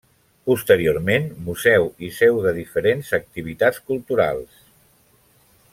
Posteriorment museu i seu de diferents activitats culturals.